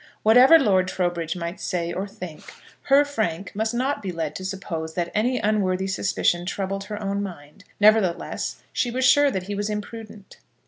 Whatever Lord Trowbridge might say or think, her Frank must not be led to suppose that any unworthy suspicion troubled her own mind. Nevertheless, she was sure that he was imprudent.